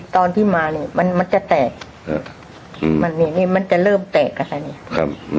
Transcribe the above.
ตอนที่มาเนี่ยมันจะแตกมันจะเริ่มแตกค่ะเนี่ย